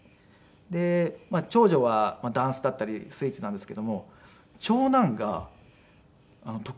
でまあ長女はダンスだったりスイーツなんですけども長男が得意なものがキノコで。